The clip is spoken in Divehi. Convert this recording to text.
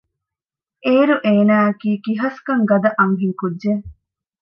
އޭރު އޭނާއަކީ ކިހަސްކަން ގަދަ އަންހެންކުއްޖެއް